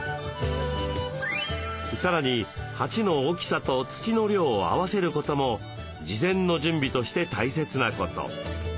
さらに鉢の大きさと土の量を合わせることも事前の準備として大切なこと。